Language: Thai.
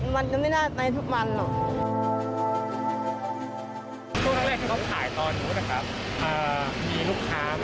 มีลูกค้ามั้ยมีลูกค้าอยู่